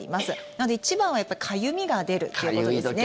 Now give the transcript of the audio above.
なので一番はかゆみが出るということですね。